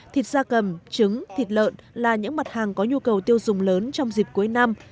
thịt da cầm trứng thịt lợn là những mặt hàng có nhu cầu tiêu dùng lớn trong dịp cuối năm